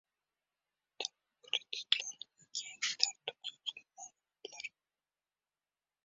Ta’lim kreditining yangi tartibi haqida ma’lumotlar